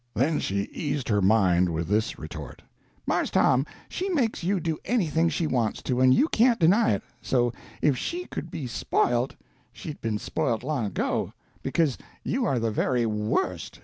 Then she eased her mind with this retort: "Marse Tom, she makes you do anything she wants to, and you can't deny it; so if she could be spoilt, she'd been spoilt long ago, because you are the very worst!